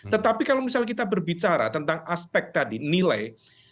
tetapi kalau misalnya kita berbicara tentang aspek tadi nilai